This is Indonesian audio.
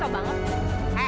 terlalu lama kamu ngebacanya